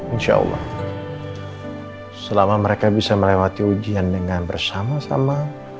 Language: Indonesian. insyaallah selama mereka bisa melewati ujian dengan bersama sama